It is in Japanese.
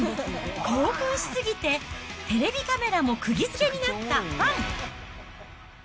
興奮し過ぎてテレビカメラも釘付けになったファン！